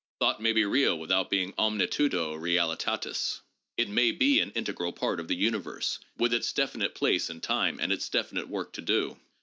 Thought may be real without being omnitudo realitatis. It may be an integral part of the universe, with its definite place in time and its definite work to do.